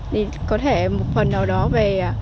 thì có thể một phần nào đó về